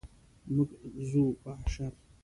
موږ ځو په اشر.